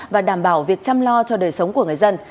và đảm bảo việc chăm lo cho đời sống của người dân